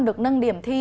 được nâng điểm thi